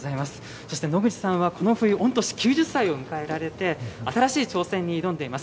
そして農口さんは御年９０歳を迎えられて、新しい挑戦に挑んでいます。